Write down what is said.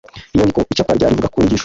inyandiko icapwa rya rivuga ku nyigisho